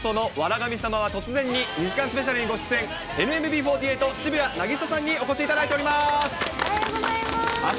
神様は突然に２時間スペシャルにご出演、ＮＭＢ４８・渋谷凪咲さんにお越しいただきました。